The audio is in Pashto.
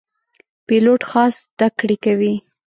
پیلوټ خاص زده کړې کوي.